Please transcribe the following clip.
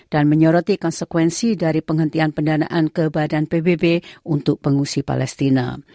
dan menyoroti konsekuensi dari penghentian pendanaan ke badan pbb untuk pengusi palestina